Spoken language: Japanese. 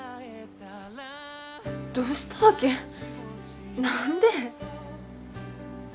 どうしたわけ？何で？